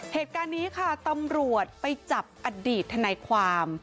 เหตุการณ์นี้ค่ะตำรวจไปจับอดีตทนายความ